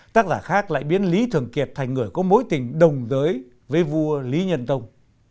tác giả khác lại biến lý thường kiệt thành người có mối tình đồng giới với vua lý nhân tông